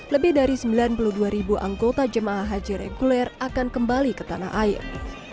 lebih dari sembilan puluh dua ribu anggota jemaah haji reguler akan kembali ke tanah air